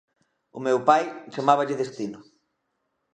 O meu pai chamáballe destino.